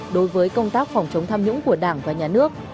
đối với công tác phòng chống tham nhũng của đảng và nhà nước